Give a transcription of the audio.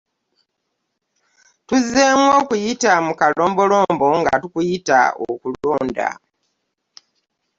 “Tuzzeemu okuyita mu kalombolombo nga tukuyita okulonda".